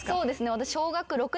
私。